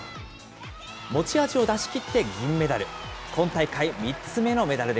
持ち味を出しきって銀メダル。